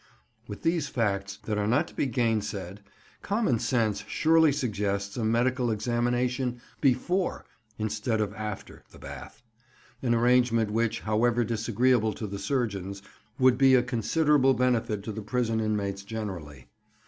With these facts, that are not to be gainsaid, common sense surely suggests a medical examination before instead of after the bath, an arrangement which, however disagreeable to the surgeons, would be a considerable benefit to the prison inmates generally.